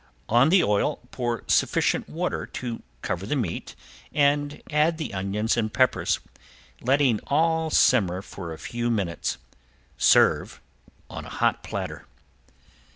On the oil pour sufficient water to cover the meat and add the onions and peppers, letting all simmer for a few minutes. Serve on hot platter.